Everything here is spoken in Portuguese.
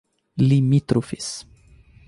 limítrofes